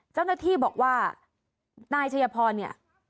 เจ้าหน้าที่บอกว่านายชัยพรเนี่ย